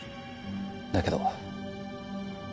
だけど。